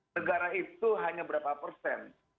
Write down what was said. negara itu hanya berapa persen